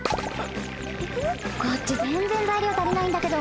こっち全然材料足りないんだけど。